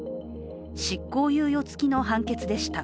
執行猶予付きの判決でした。